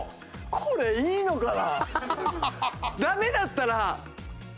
これいいのかな？